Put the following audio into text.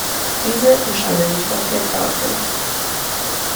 Diese erscheinen nicht auf der Karte.